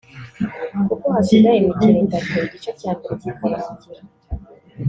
kuko hasigaye imikino itatu igice cya mbere kikarangira